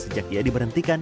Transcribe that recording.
sejak dia diberhentikan